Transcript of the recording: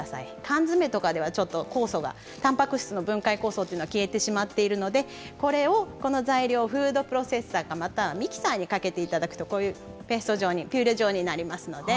缶詰とかではちょっと酵素がたんぱく質の分解酵素っていうのが消えてしまっているのでこれをこの材料をフードプロセッサーかまたはミキサーにかけていただくとこういうペースト状にピューレ状になりますので。